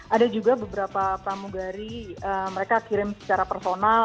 ada juga beberapa pramugari mereka kirim secara personal